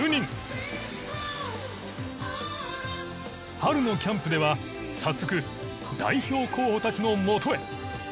春のキャンプでは早速代表候補たちのもとへ。